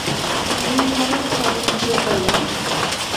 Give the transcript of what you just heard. বলিয়া হঠাৎ চাবি খুঁজিয়া পাইল না।